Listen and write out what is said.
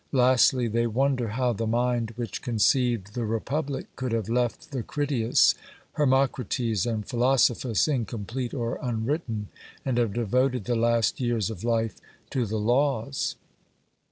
Lastly, they wonder how the mind which conceived the Republic could have left the Critias, Hermocrates, and Philosophus incomplete or unwritten, and have devoted the last years of life to the Laws.